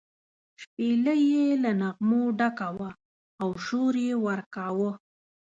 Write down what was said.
شپېلۍ یې له نغمو ډکه وه او شور یې ورکاوه.